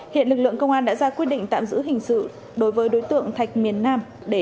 hiện lực lượng công an đã ra quyết định tạm giữ hình sự đối với đối tượng thạch miền nam